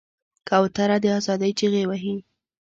کوتره د آزادۍ چیغې وهي.